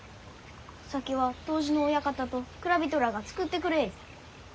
酒は杜氏の親方と蔵人らあが造ってくれゆう。